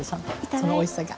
そのおいしさが。